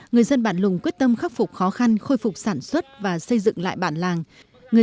người dân bản lùng quyết tâm khắc phục khó khăn khôi phục sản xuất và xây dựng lại bản làng